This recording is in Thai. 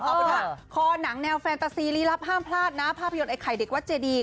ขอบคุณค่ะคอหนังแนวแฟนตาซีรีส์รีรับห้ามพลาดนะภาพยนตร์ไอ้ไข่เด็กว่าเจดี